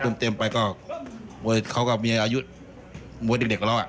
เต็มไปก็เขาก็มีอายุหมวยเด็กกว่าเรา